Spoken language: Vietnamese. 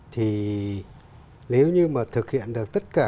thì nếu như mà thực hiện được tất cả